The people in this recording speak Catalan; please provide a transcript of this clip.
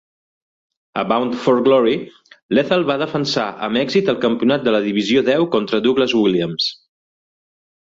A Bound for Glory, Lethal va defensar amb èxit el Campionat de la Divisió X contra Douglas Williams.